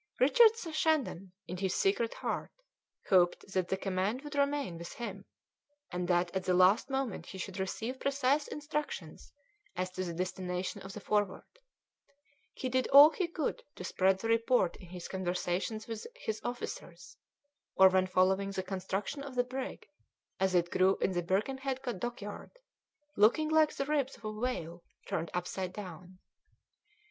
Richard Shandon, in his secret heart, hoped that the command would remain with him, and that at the last moment he should receive precise instructions as to the destination of the Forward. He did all he could to spread the report in his conversations with his officers, or when following the construction of the brig as it grew in the Birkenhead dockyard, looking like the ribs of a whale turned upside down.